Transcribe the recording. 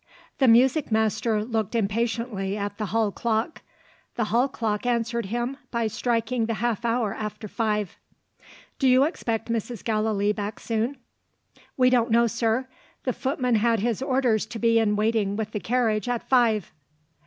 The music master looked impatiently at the hall clock. The hall clock answered him by striking the half hour after five. "Do you expect Mrs. Gallilee back soon?" "We don't know, sir. The footman had his orders to be in waiting with the carriage, at five."